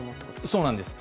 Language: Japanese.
そうなんです。